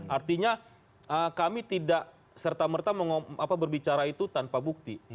artinya kami tidak serta merta berbicara itu tanpa bukti